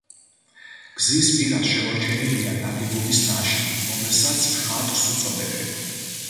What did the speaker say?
გზის პირას შემორჩენილია ნაგებობის ნაშთი, რომელსაც ხატს უწოდებენ.